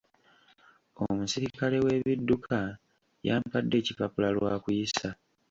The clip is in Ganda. Omuserikale w'ebidduka yampadde ekipapula lwa kuyisa.